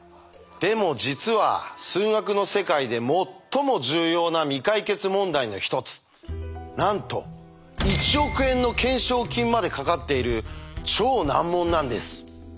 でも実は数学の世界で最も重要な未解決問題の一つなんと１億円の懸賞金までかかっている超難問なんです。